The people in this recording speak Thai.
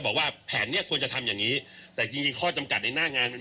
บอกว่าแผนเนี้ยควรจะทำอย่างนี้แต่จริงจริงข้อจำกัดในหน้างานมัน